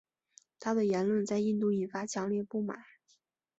他的言论在印度引发强烈不满。